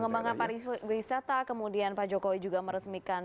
mengembangkan pariwisata kemudian pak jokowi juga meresmikan